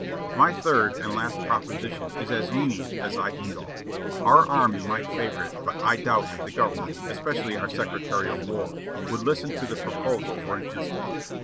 "My third and last proposition is as lenient as I can go. Our army might favor it but I doubt if the Government, especially our Secretary of War, would Hsten to the proposal for an in 640 JOHNNY RI:b and BILLY YANK stant.